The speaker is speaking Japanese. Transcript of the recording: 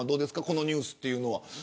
このニュースというのは。